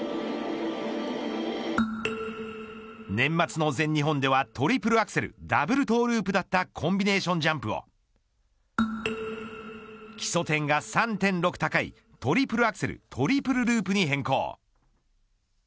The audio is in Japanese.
年末の全日本ではトリプルアクセルダブルトゥループだったコンビネーションジャンプを基礎点が３．６高いトリプルアクセルトリプルループに変更。